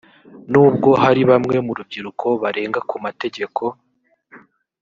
nubwo hari bamwe mu rubyiruko barenga ku mategeko